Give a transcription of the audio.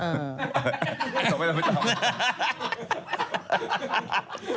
เดี๋ยวสบาย